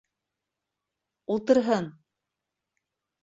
Ултырһын!